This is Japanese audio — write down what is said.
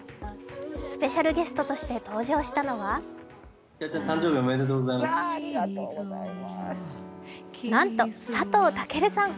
スペシャルゲストとして登場したのはなんと佐藤健さん。